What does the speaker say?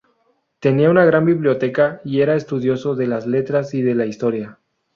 Tenía una gran biblioteca y era estudioso de las letras y de la historia.